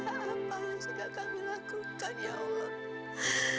apa yang sudah kami lakukan ya allah